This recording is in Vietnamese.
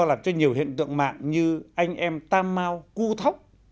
lý do làm cho nhiều hiện tượng mạng như anh em tam mau cu thóc